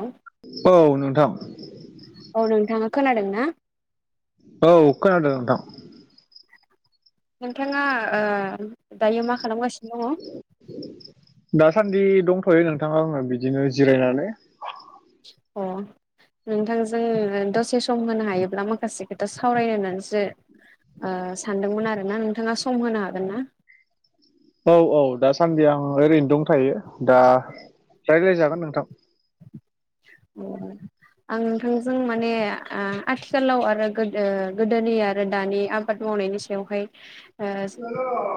हा [unintelligible] औ नोंथां औ नोंथाङा खोनादों ना? औ खोनादों नोंथां नोंथाङा ओ दायो मा खालामगासिनो दङ? दासान्दि दंथ'यो नोंथां आङो बिदिनो जिरायनानै। अ नोंथांजों दसे सम होनो हायोब्ला माखासे खोथा सावरायनो होनानैसो ओ सानदोंमोन आरो ना नोंथाङा सम होनो हागोन ना? औ औ दाासान्दि आं ओरैनो दं थायो दा रायज्लायजागोन नोंथां। उम आं नोंथांजों माने ओ आथिखालाव आरो गोदो गोदोनि आरो दानि आब बाद मावनायनि सायावहाय ओ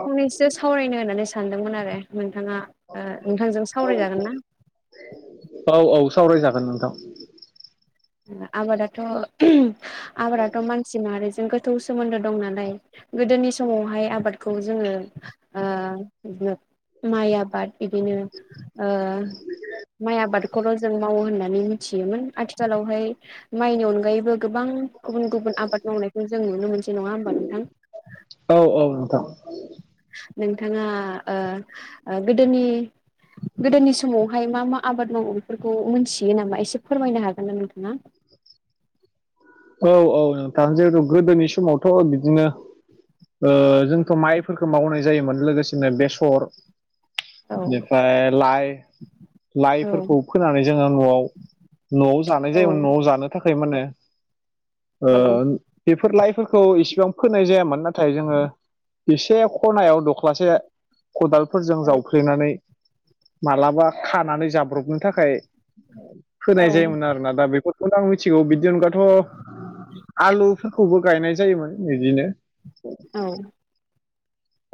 फंनैसो सावरायनो होननानै सानदोंमोन आरो नोंथाङा ओ नोंथांजों सावरायजागोन ना? औ औ सावरायजागोन नोंथां आबादाथ' आबादाथ' मानसि माहारिजों गोथौ सोमोन्दो दं नालाय गोदोनि समावहाय आबादखौ जोङो ओ माइ आबाद बिदिनो ओ माइ आबादखौल' जों मावो होननानै मिथियोमोन आथिखालावहाय माइनि अनगायैबो गोबां गुबुन गुबुन आबाद मावनायखौ जों नुनो मोनसै नङा होमबा नोंथां? औ औ नोंगौ। नोंथाङा ओ ओ गोदोनि गोदोनि समावहाय मा मा आबाद मावो बेफोरखौ मोनथियो नामा एसे फोरमायनो हागोन ना नोंथाङा? औ औ औ थां जैहथु गोदोनि समावथ' बिदिनो जोंथ' माइफोरखौ मावनाय जायोमोन लोगोसेनो बेसर। औ बेनिफ्राय लाइ औ लाइफोरखौ फोनानै जोङो न'आव न'आव जानाय जायोमोन न'आव औ जानो थाखाय माने ओ बेफोर लाइफोरखौ इसेबां फोनाय जायामोन नाथाय जोङो एसे खनायाव दख्लासे खदालफोरजों औ जावफ्लेनानै मालाबा खानानै जाब्रबनो थाखाय होनाय औ जायोमोन आरो। दा बेफोरखौनो आं मिथिगौ बिदि अनगाथ' आलुफोरखौबो गायनाय जायोमोन बिदिनो औ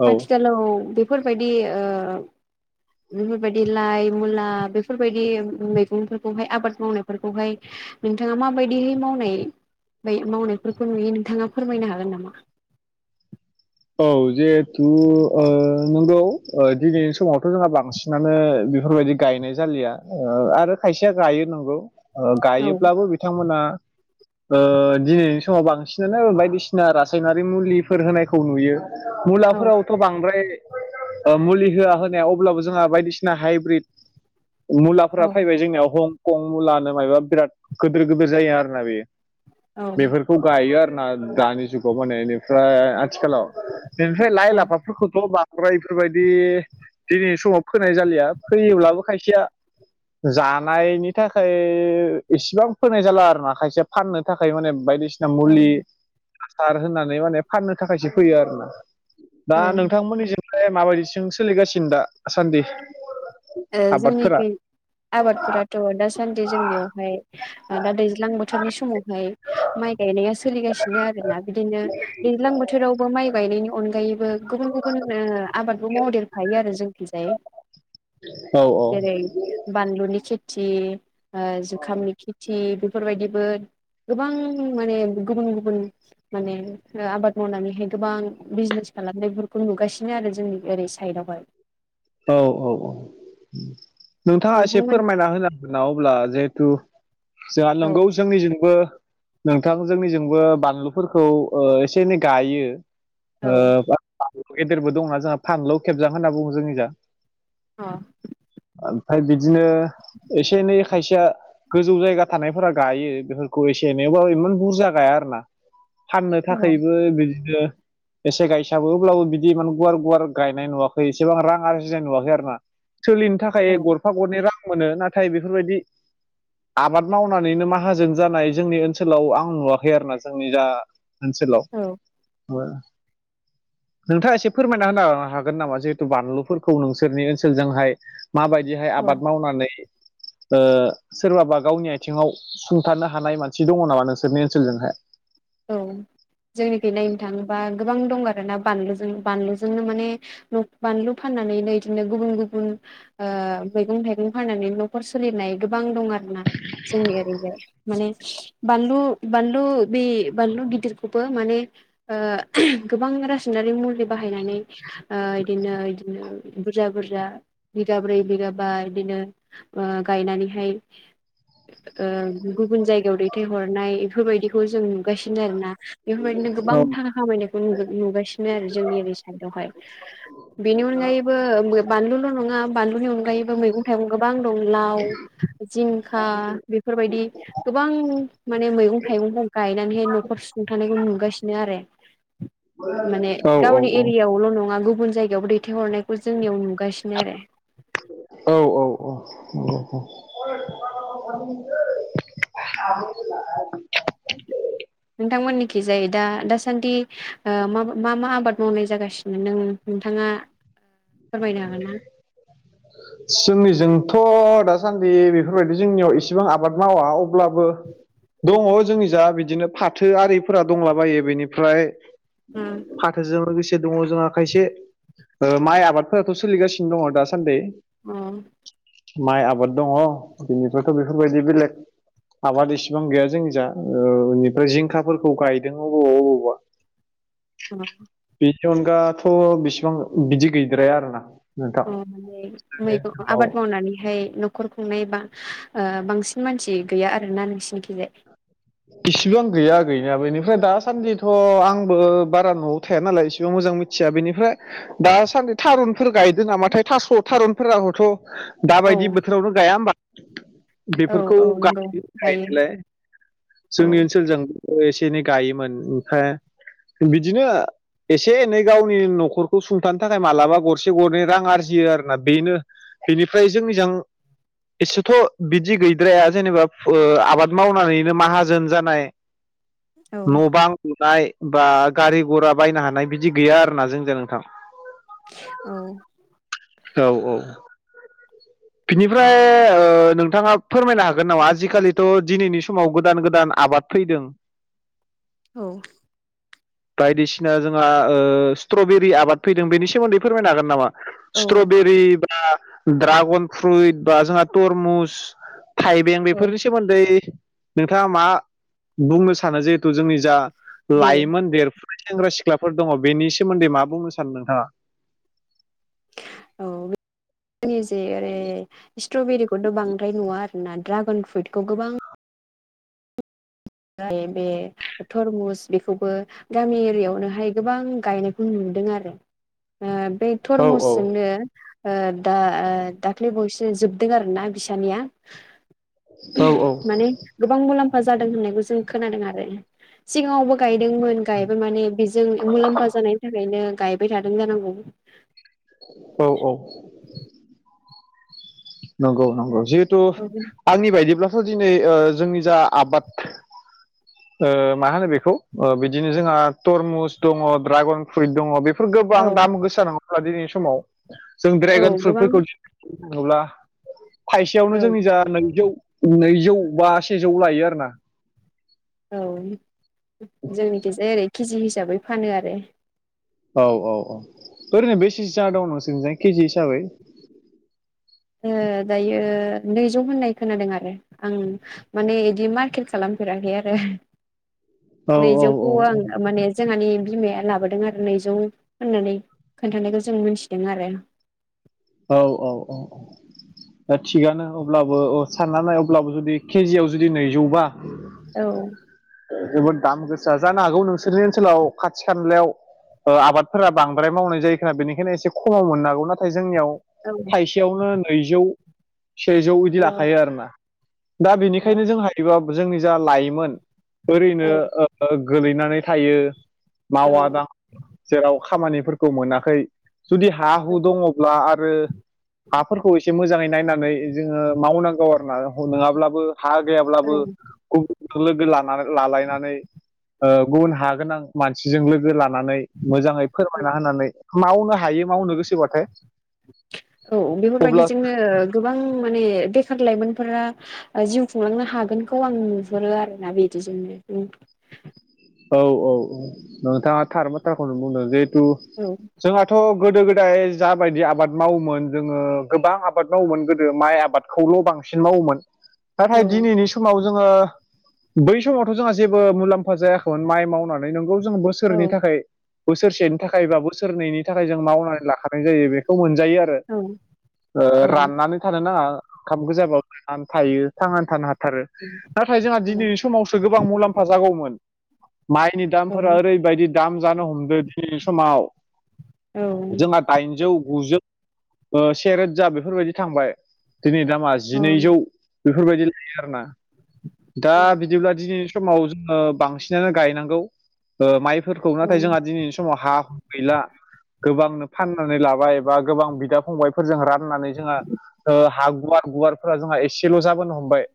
औ आथिखालाव बेफोरबायदि ओ बेफोरबायदि लाइ मुला बेफोरबायदि मैगंफोरखौहाय आबाद मावनायफोरखौहाय नोंथाङा माबायदिहै मावनाय ब मावनायफोरखौ नुयो नोंथाङा फोरमायनो हागोन नामा? औ जिहेथु ओ नंगौ दिनै समावथ' जोंहा बांसिन बिसिनानो बेफोरबायदि गायनाय जालिया आरो खायसेया गायो नंगौ। औ गायोब्लाबो बिथांमोना ओ दिनैनि समाव बांसिनानो बायदिसिना रासायनारि मुलिफोर होनाय खौ नुयो औ मुलाफोराव बांद्राय मुलि होआ होनाया अब्लाबो जोंहा बायदिसिना हाइब्रिड औ मुलाफोरा फैबाय जोंनियाव हंकं मुलानो माबबा बिराद गिदिर गिदोर जायो आरो ना बेयो। औ बेफोरखौ गायो आरोना दानि जुगाव माने बेनिफ्राय आथिखालाव बेनिफ्राय लाइ औ लाफाफोरखौथ' बांद्राय बेफोरबायदि दिनैनि समाव फोनाय जालिया फैयोब्लाबो खायसेया जानायनि थाखाय इसेबां फोनाय जाला आरो ना खायसे फाननो थाखाय माने बायदिसि औ मुलि हासार होनानै माने फाननो थाखायसो फैयो आरो ना। दा ओ नोंथांमोननिजोंहाय माबायदिसिं सोलिगासिनो दा आसान्दि। जोंनिखि आबादफोराथ' दासान्दि जोंनियावहाय दा दैज्लां बोथोरनि समावहाय माइ गायनाया सोलिगासिनो आरोना बिदिनो दैज्लां बोथोरावबो माइ गायनायनि अनगायैबो गुबुन गुबुन ओ आबादबो मावदेरखायो आरो जोंखिजाय औ औ जेरै बानलुनि खेथि ओ जुखामनि खेथि बेफोरबायदिबो गोबां माने गुबुन गुबुन माने आबाद मावनानैहाय गोबां बिजनेस खालामनायफोरखौ नुगासिनो आरो जोंनि ओरै साइदआवहाय औ औ औ। नोंथाङा एसे नोंथांमोन फोरमायना होनांगोन ना अब्ला जिहेतु जोंहा औ नंगौ जोंनिजोंबो नोंथां जोंनिजोंबो बानलुफोरखौ एसे एनै गायो औ ओ गदेरबो दंना जोंहा फानलु खेबजां होनना बुङो जोंनि जा अ ओमफ्राय बिदिनो एसे एनै खायसेया गोजौ जायगा थानायफोरा गायो बेफोरखौ एसे एनैबाबो इमान बुरजा गाया आरो ना फाननो औ थाखायबो बिदिनो एसे गायसाबोबब्लाबो बिदि एमान गुवार गुवार गायनाय नुवाखै एसेबां रां आर बुजा नुवाखै आरो ना। सोलिनो थाखाय गरफा गरनै रां मोनो नाथाय बेफोरबायदि आबाद मावनानैनो माहाजोन जानाय जोंनि ओनसोलाव आं नुवाखै आरोना जोंनि जा ओनसोलाव औ ओ नोंथाङा एसे फोरमायना होनो हागोन नामा जिहेथु बानलु खौ नोंसोरनि ओनसोलजोंहाय माबायदिहाय औ आबाद मावनानै ओ सोरबाबा गावनि आथिङाव सुंथारानो हानाय मानसि दङ नामा नोंसोरनि ओनसोलजों हाय औ जोंनिख नायनो थाङोबा गोबां दं आर ना बानलुजों बानलुजोंनो माने बानलु फाननानैनो इदिनो गुबुन गुबुन ओ मैगं थाइगं फाननानै न'खर सोलिनाय गोबां दं आर ना ‌। जोंनि एरैहाय माने बानलु बानलु बि बानलु गिदिरखौबो माने ओ गोबां रासायनारि मुलि बाहायनानै ओ इदिनो इदिनो बुरजा बुरजा बिगाब्रै बिगाबा बिदिनो ओ गायनानैहाय गुबुन जायगायाव दैथायहरनाय बेफोरबायदिखौ जों नुगासिनो आरो ना बेफोरबायदिनो गोबांथा औ खामायनायखौ नु-नुगासिनो आरो जोंनि ओरै साइडआवहाय बेनि अनगायैबो बानलुल' नङा बानलुनि अनगायैबो मैगं थाइगं गोबां दं लाव जिंखा बेफोरबायदि गोबां माने मैगं थाइगं दं गाय गायनानैहाय न'खर सुफुंथखौ नुगासिनो आरो माने औ औ गावनि एरियायावल' नङा गुबुन जायगायावबो दैथायहरनायखौ जोंनियाव नुगासिनो आरो औ औ औ अ अ [unintelligible] [unintelligible] नोंथांमोननिखि जायो दा दासान्दि ओ मा मा आबाद मावनाय जागासिनो नों नोंथाङा फोरमायनो हागोन ना। जोंनिजोंथ' दासान्दि बेफोरबायदि जोंनियाव एसेबां आबाद मावा अब्लाबो दङ जोंनि जा बिदिनो फाथो आरिफोरा दंलाबायो बेनिफ्राय उम फाथोजों लोगोसे दङ जोंहा खायसे ओ माइ आबादफोराथ' सोलिगासिनो दङ दासान्दि। उम माइ आबाद दङ बिनिफ्रायथ' बेफोरबायदि बेलेग आबाद इसेबां गैया जोंनि जा ओ बेनिफ्राय जिंखाफोरखौ गायदों अबावबा अबावबा औ बेनि अनगाथ' बिसेबां बिदि गैद्राया आरोना। नोंथां उम ओमफ्राय जोंनि मैगं ओनसोलाव आबाद मावनाय बुंनानैहाय न'खर खुंनाय बा ओ बांसिन मानसि गैया आरोना नोंसिनिखिजाय। [inaudible] इसिबो आं गैया गैया बेनिफ्राय दासान्दिथ' आंबो बारा न'आव थाया नालाय एसेबां मोजां मि थिया बेनिफ्राय दासान्दि थारुनफोर गायदों नामाथाय थास' थारुनफोराबोथ' औ दाबायदि बोथोरावनो गाया होमबा औ बेफोरखौ औ नंगौ गायो गायनायालाय। औ जोंनि ओनसोलजोंबो एसे एनै गायोमोन ओमफ्राय बिदिनो एसे एनै गावनि न'खरखौ सुंथानो थाखाय मालाबा गरसे गरनै रां आरजियो आरोना बेनो बिनिफ्राय जोंजों एसेथ' बिदि गैद्राया जेनेबा फुओ आबाद मावनानैनो माहाजोन जानाय औ न' बां लुनाय बा गारि घरा बायनो हानाय बिदि गैया आरोना जोंजों नोंथां। औ औ औ बिनिफ्राय ओश्रनोंथाङा फोरमायनो हागोन नामा आजिखालिथ' दिनैनि समाव गोदान गोदान आबाद फैदों। औ बायदिसिना जोंहा ओ स्ट्रबेरि आबाद फैदों बेनि सोमोन्दै फोरमायनो हागोन नामा। औ स्ट्रबेरि बा ड्रागन फ्रुइट बा जोंहा तरमुस थाइबें औ बेफोरनि सोमोन्दै नोंथाङा मा बुंनो सानो जिहेथु जोंनि जा बे लाइमोन देरफुनाय सेंग्रा सिख्लाफोर दङ बेनि सोमोन्दै मा बुंनो सानो नोंथाङा? औ जोंनि जे ओरै स्ट्रबेरिखौथ' बांद्राय नुवा आरो ना ड्रागन फ्रुइतखौ गोबां बे थरमुस बेखौबो गामि एरियावनोहाय गोबां गायनाय खौ नुदों आरो। ओ बे औ थरमुसजोंनो ओ दा ओ दाख्लै बावैसो जोबदों आरोना बिस्रानिया औ औ। गोबां मुलाम्फा जादों होननायखौ जों खोनादों आरो। सिगाङावबो गायदोंमोन गायबा माने बेजों मुलाम्फा जानायनि थाखायनो गायबाय थादों जानांगौ। औ औ। नंगौ नंगौ जिहेथु औ आंनि बायदिब्लाथ' दिनै ओ जोंनि जा आबाद ओ मा होनो बेखौ? बिदिनो जोंहा तरमुस दङ, ड्रागन फ्रुइट दङ बे फोर गोबां दाम गोसा नङा होनब्ला दिनैनि समाव। जों औ ड्रेगन गोबां फ्रुइटफोरखौ [unintelligible] थायसेयावनो औ जोंनिजा नैजौ नैजौ बा सेजौ लायो आरोना। औ जोंनि थिंजाय ओरै केजि हिसाबै फानो आरो। औ औ औ ओरैनो बेसेसो जाना दं नोंसोरनिजों केजि हिसाबै? ओ दायो नैजौ होननाय खोनादों आरो आं माने इदि मारकेट खालामफेराखै आरो। औ औ नैजौखौ आं माने जोंहानि बिमाया लाबोदों आरो नैजौ होननानै खोन्थानायखौ जों मिथिदों आरो। औ औ औ। ओ थिगानो अब्लाबो ओ साननानै नाय अब्लाबो जुदि केजियाव जुदि नैजौबा औ। जोबोद दाम गोसा। जानो हागौ नोंसोरनि ओनसोलाव खाथि खालायाव ओ आबादफोरा बांद्राय मावनाय जायो खोमा बेनिखायनो एसे खमाव मोननो हागौ ना नाथाय जोंनियाव औ थाइसेयावनो नैजौ सेजौ इदि औ लाखायो आरोना। दा बेनिखायनो जों हायोबा जोंनि जा लाइमोन ओरैनो औ ओ गोलैनानै थायो, मावा औ दाङा जेराव खामानिफोरखौ मोनाखै, जुदि हा हु दङब्ला आरो हाफोरखौ एसे मोजाङै नायनानै जोङो मावनांगौ आरोना नङाब्लाबो हा गैयाब्लाबो औ गुबुनजों लोगो लानानै लालायनानै ओ गुबुन हा गोनां मानसिजों लोगो ला नानै मोजाङै फोरमायना होनानै मावनो हायो मावनो गोसोबाथाय। औ अब्ला बेफोरबायदिजोंनो गोबां माने बेखार लाइमोनफोरा जिउ खुंलांनो हागोनखौ आं नुहुरो आरो ना बिदिजोंनो उम। औ औ औ नोंथाङा थार बाथ्राखौनो बुंदों जिहेथु औ। जोंहाथ' गोदो गोदाय जाबायदि आबाद मावोमोन जोङो गोबां आबाद मावोमोन गोदो माइ आबाद खौल' बांसिन मावोमोन। नाथाय दिनैनि समाव जोङो, बै समावथ' जोंहा जेबो मुलाम्फा जायाखै माइ मावनानै। नोंगौ जों औ बोसोरनि थाखाय बोसोरसेनि थाखाय बा बोसोरनैनि थाखाय जों मावनानै लाखानाय जायो बे खौ मोनजायो आरो। औ ओ औ राननानै थानो नाङा ओंखाम गोजाबाबोना थायो थांनानै थानो हाथारो। नाथाय जोंहा दिनै समावसो गोबां मुलाम्फा जागौमोन। माइनि औ दामफोरा ओरैबायदि दाम जानो हमदो दि समाव। जोंहा दाइनजौ गुजौ ओ सेरोजा बेफोरबायदि थांबाय दिनै दामा। औ जिनैजौ बेफोरबादि लायो आरोना। दा बिदिब्ला दिनै समाव जोङो बांसिनानो गायनांगौ ओ माइफोरखौ, नाथाय जोंहा दिनैनि समाव हा गैला गोबांनो फाननानै लाबाय बा गोबां बिदा फंबाय हा गुवार गुवारफोरा जोंहा एसेल' जाबोनो हमबाय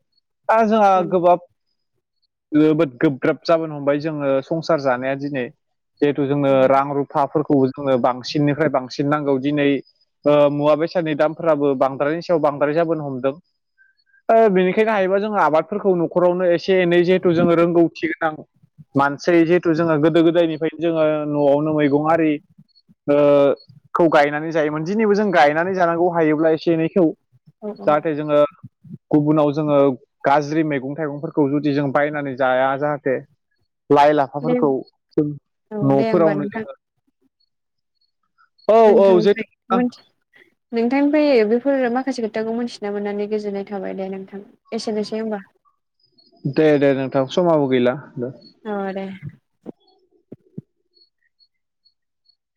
दा जोंहा [unintelligible] जाबोन हमबाय जोङो संसार जानाया दिनै जिहेथु जोङो रां रु थाफोरखौबो जोंङो बांसिननिफ्राय बांसिन नांगौ दिनै मुवा बेसादनि दामफोराबो बांद्रायानि सायाव बांद्राय जाबोनो हमदों बेनिखायनो हायोबा जोंङो आबादफोरखौ न'खरावनो एसे एनै जिहेथु जोंङो रोंगौथि मानसि जिहेथु जोंङो गोदो गोदायनिफ्रायनो जोंङो न'आवनो मैगं आरि खौ गायनानै जायोमोन दिनैबो जों गायनानै जानांगौ हायोब्ला एसे एनैखौ औ औ जाथे जोंङो गुबुनाव जोंङो गाज्रि मैगं थाइगंफोरखौ जुदि जों बायनानै जाया लाइ दे लाफाफोरखौ जों औ दे होमबा न'फोरावनो नोंथां जोंङो औ नोंथांनिफ्राय जेथु [unintelligible] नोंथांनिफ्राय बेफोर माखासे खोथाखौ मिथिना मोननानै गोजोननाय थाबाय दे नोंथां एसेनोसै ओमबा दे दे नोंथां समाबो गैला औ दे